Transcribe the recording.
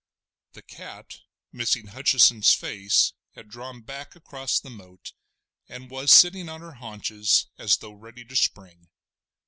The cat missing Hutcheson's face had drawn back across the moat, and was sitting on her haunches as though ready to spring.